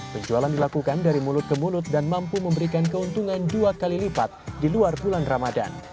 penjualan dilakukan dari mulut ke mulut dan mampu memberikan keuntungan dua kali lipat di luar bulan ramadan